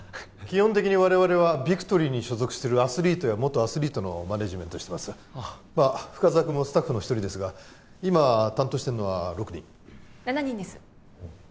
基本的に我々はビクトリーに所属してるアスリートや元アスリートのマネジメントをしてます深沢くんもスタッフの１人ですが今担当してるのは６人７人です